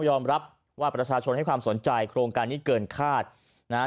ยอมรับว่าประชาชนให้ความสนใจโครงการนี้เกินคาดนะฮะ